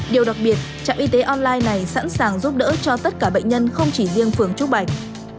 điều đặc biệt trạm y tế online này sẵn sàng giúp đỡ cho tất cả bệnh nhân không chỉ riêng phường trúc bạch